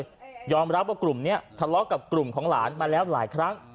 รับคำว่าฉันกลุ่มนี้ถลอกกับหลานมาแล้วหลายครั้ง